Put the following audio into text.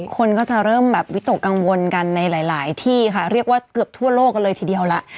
คนก็จะเริ่มแบบวิตกกังวลกันในหลายที่ค่ะเรียกว่าเกือบทั่วโลกกันเลยทีเดียวล่ะ